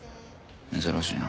珍しいな。